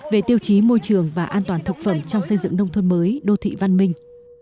về tiêu chí môi trường và an toàn thực phẩm trong xây dựng nông thôn mới đô thị văn minh